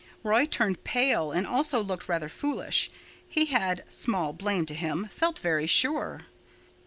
Roy turned pale—and also looked rather foolish. He had—small blame to him—felt very sure.